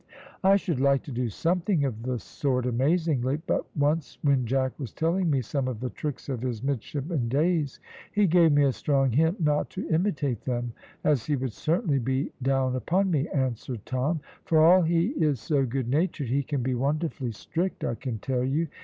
"I should like to do something of the sort amazingly, but once when Jack was telling me some of the tricks of his midshipman days, he gave me a strong hint not to imitate them, as he would certainly be down upon me," answered Tom; "for all he is so good natured, he can be wonderfully strict, I can tell you.